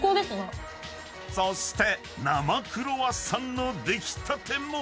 ［そして生クロワッサンの出来たても］